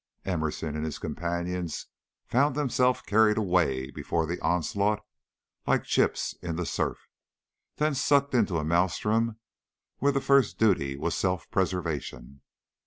Emerson and his companions found themselves carried away before the onslaught like chips in the surf, then sucked into a maelstrom where the first duty was self preservation.